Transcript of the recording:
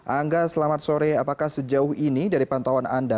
angga selamat sore apakah sejauh ini dari pantauan anda